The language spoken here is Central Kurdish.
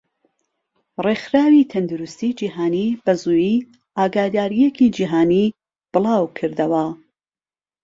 ڕێخراوی تەندروستی جیهانی بەزوویی ئاگاداریەکی جیهانی بڵاوکردەوە.